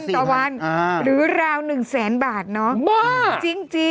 ต่อวันหรือราว๑๐๐๐๐๐บาทเนอะจริงค่ะมาก